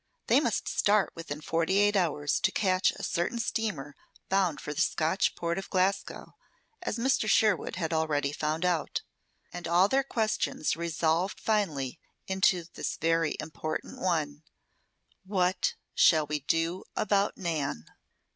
They must start within forty eight hours to catch a certain steamer bound for the Scotch port of Glasgow, as Mr. Sherwood had already found out. And all their questions resolved finally into this very important one: "WHAT SHALL WE DO ABOUT NAN?"